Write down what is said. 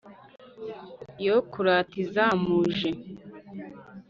yo kurata izamuje,